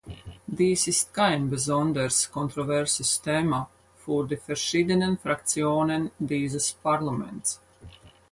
Dies ist kein besonders kontroverses Thema für die verschiedenen Fraktionen dieses Parlaments.